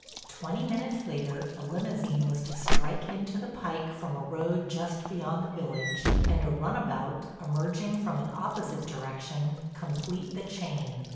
Twenty minutes later a limousine was to strike into the pike from a road just beyond the village, and a runabout, emerging from an opposite direction, complete the chain.